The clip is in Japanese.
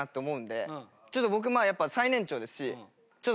ちょっと僕まあやっぱ最年長ですし。